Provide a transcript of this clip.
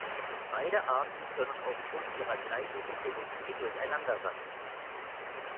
Beide Arten können aufgrund ihrer gleichen Ökologie durcheinander wachsen.